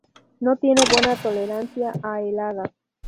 No tiene buena tolerancia a heladas.